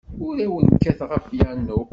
Ur awen-kkateɣ apyanu.